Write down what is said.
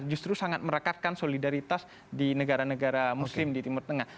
justru sangat merekatkan solidaritas di negara negara muslim di timur tengah